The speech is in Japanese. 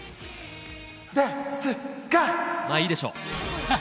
まあいいでしょう。